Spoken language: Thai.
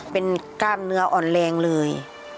เป็นกล้ามเนื้ออ่อนแรงเลย